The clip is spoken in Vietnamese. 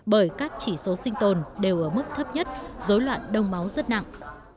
bởi các chỉ số sinh tồn đều ở mức thấp nhất dối loạn đông máu rất nặng